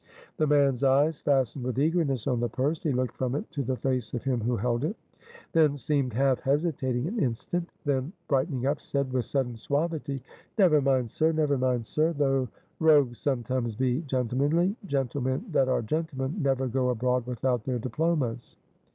The man's eyes fastened with eagerness on the purse; he looked from it to the face of him who held it; then seemed half hesitating an instant; then brightening up, said, with sudden suavity "Never mind, sir, never mind, sir; though rogues sometimes be gentlemanly; gentlemen that are gentlemen never go abroad without their diplomas.